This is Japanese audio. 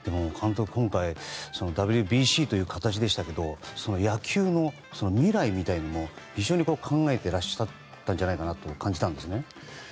今回、ＷＢＣという形でしたが野球の未来みたいなのも非常に考えてらっしゃったんじゃないかなと感じたんですね。